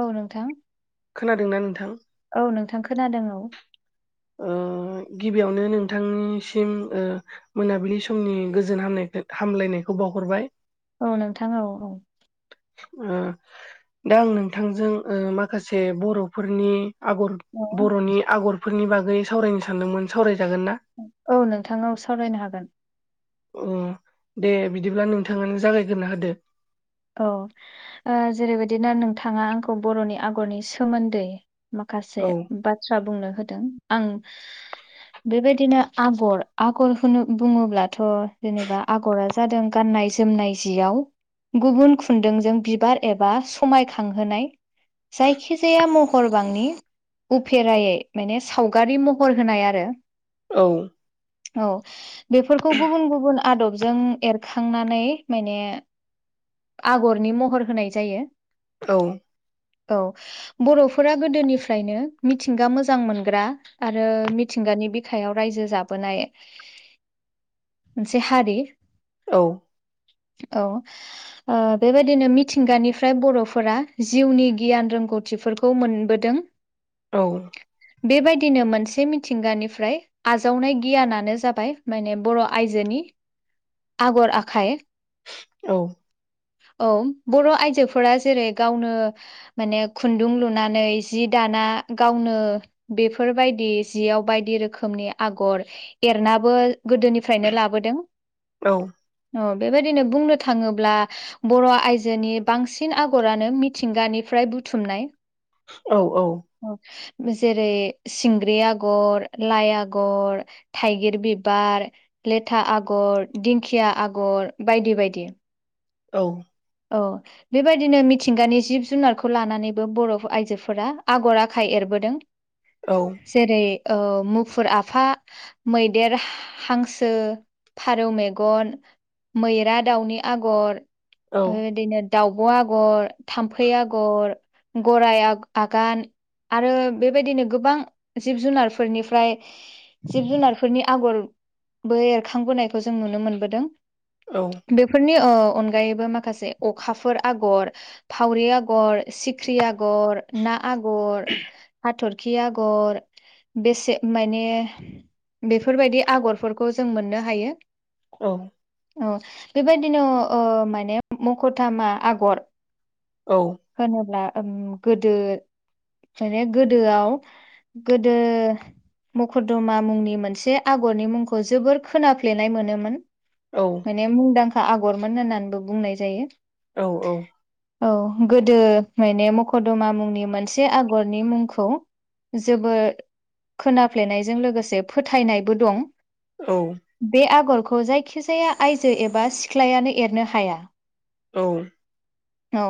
औ नोंथां। खोनादों ना नोंथां? औ नोंथां खोनादों औ। ओ गिबियावनो नोंथांनिसिम ओ। मोनाबिलि समनि गोजोन हाम हामलायनायखौ बावहरबाय औ नोंथां औ ओ दा आं नोंथांजों ओ माखासे बर'फोरनि आगर औ बर'नि आगरफोरनि बागै सावरायनो सानदोंमोन सावरायजागोन ना औ नोंथां औ सावरायनो हागोन ओम दे बिदिब्ला नोंथाङानो जागायग्रोना होदो औ ओ जेरैबायदि ना नोंथाङा आंखौ बर'नि आगरनि सोमोन्दै माखासे औ बाथ्रा बुंनो होदों आं बेबायदिनो आगर आगर होनो बुङोब्लाथ' जेनेबा आगरा जो जादों गाननाय जोमनाय जियाव गुबुन खुन्दुंजों बिबार एबा समायखांहोनाय जायखिजाया महरबांनि उफेरायै माने सावगारि महर होनाय आरो। औ औ बेफोरखौ गुबुन गुबुन आदबजों एरखांनानै माने आगरनि महर होनाय जायो। औ औ बर'फोरा गोदोनिफ्रायनो मिथिंगा मोजां मोनग्रा आरो मिथिंगानि बिखायाव रायजो जाबोनाय मोनसे हारि औ औ। ओ बेबायदिनो मिथिंगानिफ्राय बर'फोरा जिउनि गियान रोंगौथिफोरखौ मोनबोदों। [inaudible] औ। बेबायदिनो मोनसे मिथिंगानिफ्राय आजावनाय गियानानो जाबाय माने बर' आइजोनि आगर आखाइ। औ। औ बर' आइजोफोरा जेरै गावनो माने खुन्दुं लुनानै जि दाना गावनो बेफोरबायदि जियाव बायदि रोखोमनि आगर एरनाबो गोदोनिफ्रायनो लाबोदों। औ। औ बेबायदिनो बुंनो थाङोब्ला बर' आयजोनि बांसिन आगरानो मिथिंगानिफ्राय बुथुमनाय। औ औ। औ जेरै - सिंग्रि आगर, लाइ आगर थाइगिर बिबार, लेथा आगर, दिंखिया आगर बायदि बायदि। औ। औ। बेबायदिनो मिथिंगानि जिब-जुनारखौ लानानैबो बर' आइजोफोरा आगर आखाइ एरबोदों। [inaudible] औ। जेरै - ओ मुफुर आफा मैदेर, हांसो, फारौ मेगन, मैरा दाउनि आगर औ बेबायदिनो दाउब' आगर, थाम्फै आगर, गराइ आग आगान आरो बेबायदिनो गोबां जिब - जुनारफोरनिफ्राय जिब-जुनारफोरनि आगरबो एरखांबोनायखौ जों नुनो मोनबोदों। औ। बेफोरनि ओ अनगायैबो माखासे अखाफोर आगर फावरि आगर, सिख्रि आगर, ना आगर हाथर खि आगर बेसे माने बेफोरबायदि आगरफोरखौ जों मोननो हायो। औ। औ बेबायदिनो ओ माने मखर थामा आगर औ। होनोब्ला ओम गोदो माने गोदोआव गोदो मकर्दमा मुंनि मोनसे आगरनि मुंखौ जोबोर खोनाफ्लेनाय मोनोमोन। औ। माने मुंदांखा आगरमोन होननानैबो बुंनाय जायो। औ औ। औ जोबोद खोनाफ्लेनायजों लोगोसे फोथायनायबो दं। बे आगरखौ जायखिजाया आइजो एबा सिख्लायानो एरनो हाया। औ। औ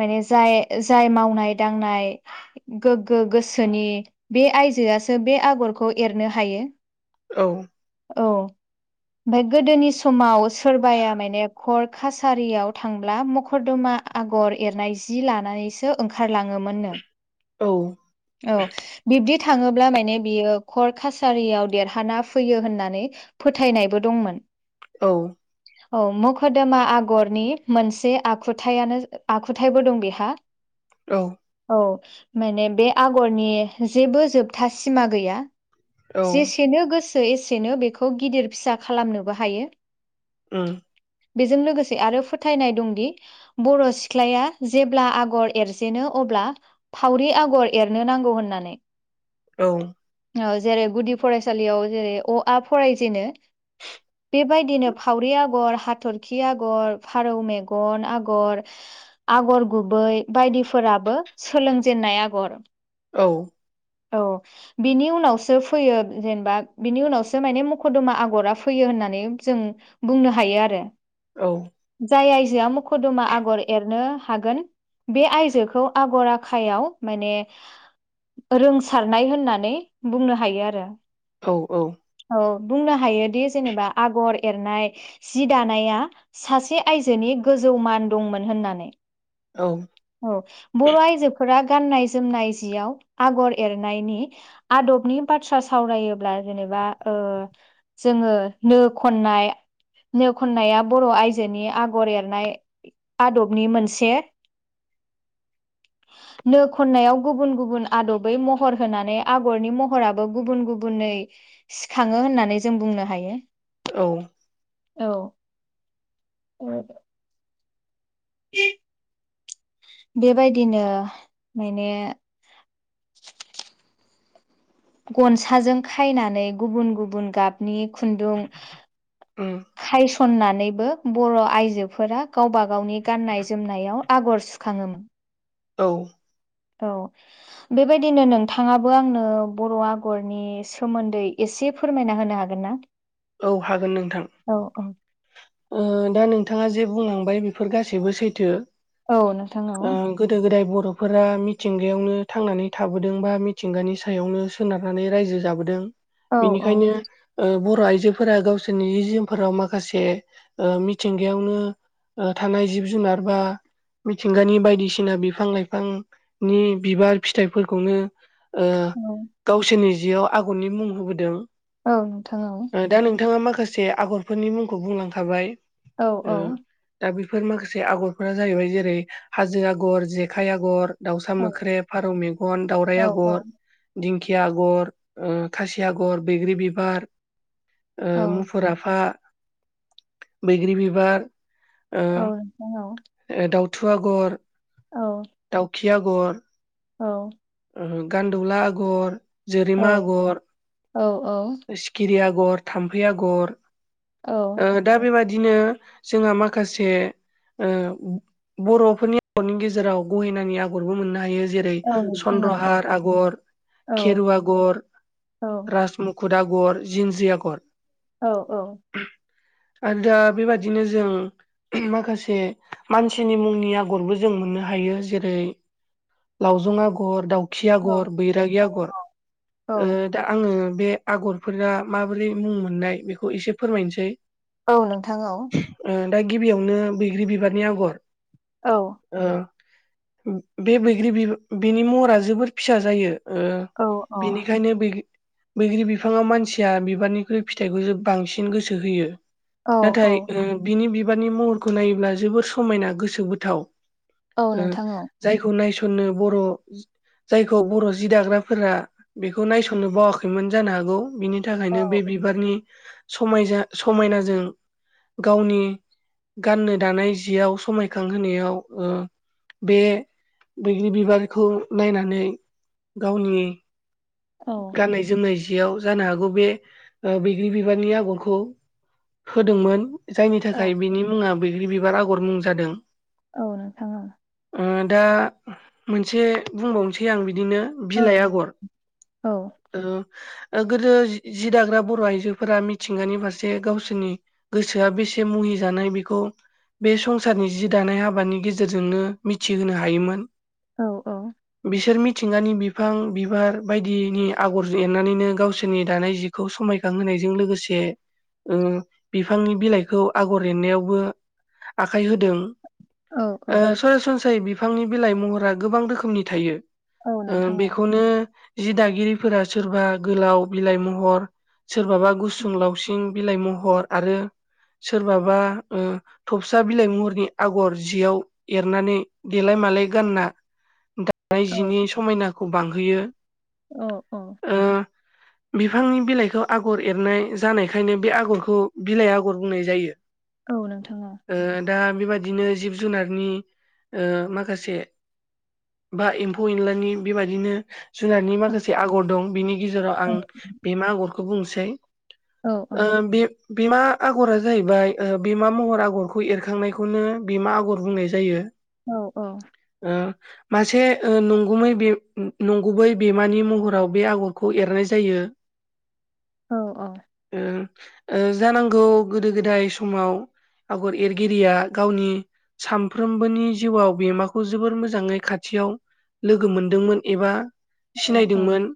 माने जाय जाय मावनाय दांनाय गोगो गोसोनि बे आयजोआसो बे आगरखौ एरनो हायो। औ। औ ओमफाय गोदोनि समाव सोरबाया मा नेपकर कासारियाव थांब्ला मकरदमा आगर एरनाय जि लानानैसो सो ओंखार लाङोमोननो। औ औ बिब्दि थाङोब्ला माने बियो कर्ट कासारियाव देरहाना फैयो होननानै फोथायनायबो दंमोन। औ औ मखरदोमा आगरनि मोनसे आखुथायानो आखुथायबो दं बेहा। औ औ माने बे आगरनि जेबो जोबथा सिमा गैया। औ जेसेनो गोसो एसेनो बेखौ गिदिर फिसा खालामनोबो हायो। उम। बेजों लोगोसे आरो फोथायनाय दंदि बर' सिख्लाया जेब्ला आगर एरजेनो अब्ला फावरि आगर एरनो नांगौ होननानै। औ ओ जेरै गुदि फरायसालियाव जेरै अ आ फरायजेनो बेबायदिनो फावरि आगर, हाथरखि आगर, फारौ मेगन आगर, आगर गुबै बायदिफोराबो सोलोंजेनन्नाय आगर। औ औ बिनि उनावसो फैयो जेनेबा बिनि उनावसो माने मखदमा आगरा फैयो होननानै जों बुंनो हायो आरो। औ जाय आयजोआ मखरदमा आगर एरनो हागोन बे आयजोखौ आगर आखायाव माने रोंसारनाय होननानै बुंनो हायो आरो। औ औ औ बुंनो हायोदि जेनेबा आगर एरनाय जि दानाया सासे आयजोनि गोजौ मान दंमोन होननानै औ औ बर' आइजोफोरा गाननाय जोमनाय जिआव आगर एरनायनि आदबनि बाथ्रा सावरायोब्ला जेनेबा ओ जोङो नो खननाय नो खन्नाया बर' आयजोनि आगर एरनाय आदबनि मोनसे नो खननायाव गुबुन गुबुन आदबै महर होनानै आगरनि महराबो गुबुन गुबुनै सिखाङो होननानै जों बुंनो हायो औ औ ओ बेबायदिनो माने [inaudible] गनसाजों खायनानै गुबुन गुबुन गाबनि खुन्दुं उम खाय सननानैबो बर' आइजोफोरा गावबा गावनि गाननाय-जोमनायाव आगर सुखाङोमोन। औ औ बेबायदिनो नोंथाङाबो आंनो बर' आगरनि सोमोन्दै एसे फोरमायना होनो हागोन ना औ हागोन नोंथां औ औ दा नोंथाङा जे बुंलांबाय बेफोर गासैबो सैथो औ नोंथां औ ओ गोदो गोदाय बर'फोरा मिथिंगायावनो थांनानै थाबोदों बा मिथिंगानि सायावनो सोनारनानै रायजो जाबोदों औ औ बेनिखायनो ओ बर' आय जोफोरा गावसोरनि जि जोमफोराव माखासे ओ मिथिंगायावनो ओ थानाय जिब जुनार बा मिथिंगानि बायदिसिना बिफां लाइफांनि बिबार फिथाइफोरखौनो ओ औ गावसोरनि जियाव आगरनि मुं होबोदों औ नोंथां औ ओ दा नोंथाङा माखासे आगरफोरनि मुंखौ बुंलांखाबाय औ औ ओ दा बेफोर माखासे आगरफोरा जाहैबाय जेरै हाजो आगर जेखाइ आगर दाउसा औ मोख्रे फारौ मेगन औ दावराइ आगर दिंखिया आगर खासि ओ आगर बैग्रि बिबार ओ औ मुफुर आफा बैग्रि बिबार ओ औ नोंथां औ ओ दाउथु आगर औ दाउखि आगर औ गान्दौला आगर जोरेमा आगर औ औ सिखिरि आगर थाम्फै आगर ओ दा बेबादिनो जोंहा माखासे ओ बर'फोरनि आरनि गेजेराव गहेनानि आगरबो मोननो हायो जेरै औ नोंथां औ औ चन्द्रहार आगर औ खेरु आगर औ राज मुखुद आगर जिन्जिया आगर औ औ आरो दा बेबादिनो जों माखासे मानसिनि मुंनि आगरबो जों मोननो हायो जेरै लावजं आगर दाउखि औ आगर बैरागि आगर ओ औ दा आङो बे आगरफोरा माबोरै मुं मोननाय बेखौ एसे फोरमायनोसै औ नोंथां औ ओ दा गिबियावनो बैग्रि बिबारनि आगर औ। ओ बे बैग्रि बि बिनि महरा जोबोर फिसा जायो। ओ औ अ बिनिखायनो बैग्रि बैग्रि बिफाङाव मानसिया बिबारनिख्रुइ फिथाइखौसो बांसिन गोसो होयो। औ औ नाथाय उम बिनि बिबारनि महरखौ नायोब्ला जोबोर समायना गोसो बोथाव। औ ओ नोंथां औ जायखौ नायसननो बर' जायखौ बर' जि दाग्राफोरा बेखौ नायसननो बावाखै। सैमोन जानो हागौ बिनि थाखायनो बे बिबारनि समाय समायनाजों गावनि गाननो दानाय जियाव समायखांहायाव ओ बे बैग्रि बिबारखौ नायनानै गावनि औ गाननाय जोमनाय जियाव जानो हागौ बे ओ बैग्रि बिबारनि आगरखौ होदोंमोन जायनि औ थाखाय बिनि मुङा बैग्रि बिबार आगर मुं जादों औ नोंथां औ ओ दा मोनसे बुंबावनोसै आं बिदिनो औ बिलाइ आगर औ। ओ गोदो जि दाग्रा बर' आइजोफोरा मिथिंगानि फारसे गावसोरनि गोसोआ बेसे मुहि जानाय बेखौ बे संसारनि जि दानाय हाबानि गेजेरजोंनो मिथिहोनो हायोमोन। औ बिसोर मिथिंगानि बिफां बिबार बायदिनि आगर एरनानैनो गावसोरनि दानाय जिखौ समायखांहोनायजों लोगोसे उम बिफांनि बिलाइखौ आगर एरनायावबो आखाइ होदों। औ नोंथां औ नोंथां औ ओ सरासनस्रायै बिफांनि बिलाइ महरा गोबां रोखोमनि थायो। औ ओ नोंथां औ बेखौनो जि दागिरिफोरा सोरबा गोलाव बिलाइ महर सोरबाबा गुसुं औ लावसिं बिलाइ महर आरो सोरबाबा उम थफस्रा बिलाइ महरनि आगर जियाव एरनानै देलाय मालाय गानना [unintelligible] जिनि समायनाखौ बांहोयो। औ औ। ओ बिफांनि बिलाइखौ आगर एरनाय जानायखायनो बे आगरखौ बिलाइ आगर बुंनाय जायो। औ नोंथां औ। ओ दा बेबादिनो जिब जुनारनि ओ माखासे बा एम्फौ एनलानि बेबायदिनो जुनारनि माखासे आगर दं बिनि गेजेराव आं बेमा आगरखौ बुंसै। औ औ। ओ बे बेमा आगरा जाहैबाय ओ बेमा महर आगरखौ एरखांनायखौनो बेमा आगर बुंनाय जायो। औ औ। ओ मासे ओ नंगुमै बे उम नं गुबै बेमानि महराव बे आगरखौ एरनाय जायो। ओ ओ जानांगौ गोदो गोदाय समाव आगर एरगिरिया गावनि सानफ्रोमबोनि जिउआव बेमाखौ जोबोर मोजाङै खाथियाव लोगो मोनदोंमोन एबा सिनायदोंमोन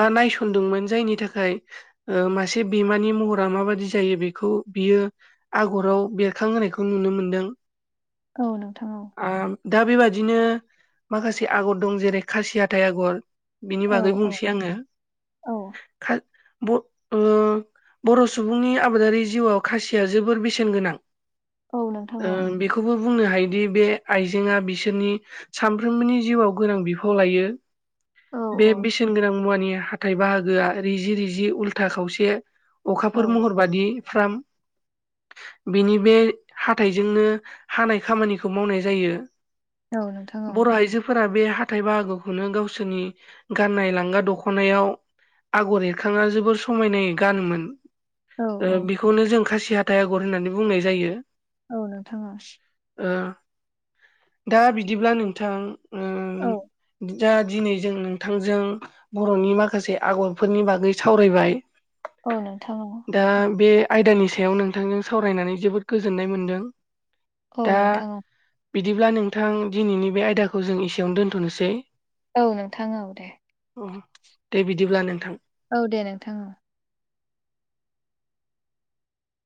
बा नायसनदोंमोन जायनि थाखाय ओ मासे बेमानि महरा माबादि जायो बेखौ बियो आगराव बेरखां होनायखौ नुनो मोनदों। औ नोंथां औ। ओ दा बेबादिनो माखासे आगर दं जेरै खासि हाथाइ आगर औ बिनि बागै बुंसै आङो औ खा ब ओ बर' सुबुंनि आबादारि जिउआव खासिया जोबोर बेसेन गोनां ओ बेख खौबो बुंनो हायोदि बे आइजेंआ बिसोरनि सानफ्रोमबोनि जिउआव गोनां बिफा खौ लायो बे औ बेसेन गोनां मुवानि हा हाथाय बाहागोआ रिजि रिजि उल्था खावसे अखाफोर महर बादि फ्राम बिनि बे हाथाइजोंनो हानाय खामानिखौ मावनाय जायो बर' नोंथां आइजोफोरा बे हा हाथाय बाहागोखौनो गावसोरनि गाननाय लांगा दख'नायाव आगर एरखाङा जोबोर समायनाय गानोमोन ओ बेखौनो जों खासि हाथाइ आगर होननानै बुंनाय जायो। औ नोंथां औ। ओ दा बिदिब्ला नोंथां उम औ। दा दिनै जों नोंथांजों बर'नि माखासे आगरफोरनि बागै सावरायबाय औ नोंथां औ। दा बे आयदानि सायाव नोंथांजों सावरायनानै जोबोद गोजोननाय मोन्दों। औ दा नोंथां औ बिदिब्ला नोंथां दिनैनि बे आयदाखौ जों एसेयावनो दोनथ'नोसै। औ नोंथां औ दे उम दे बिदिब्ला नोंथां। औ दे नोंथां औ